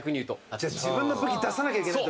じゃあ、自分の武器出さなきゃいけない時だ。